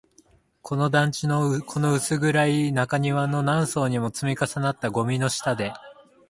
この団地の、この薄暗い中庭の、何層にも積み重なったゴミの下で